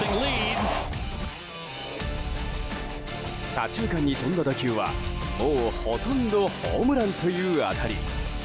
左中間に飛んだ打球はもう、ほとんどホームランという当たり。